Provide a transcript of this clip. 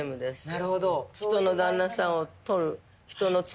なるほど。